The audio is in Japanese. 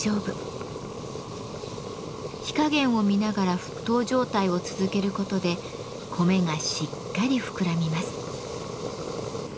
火加減を見ながら沸騰状態を続けることで米がしっかり膨らみます。